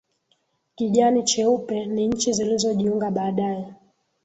Kijani cheupe ni nchi zilizojiunga baadaye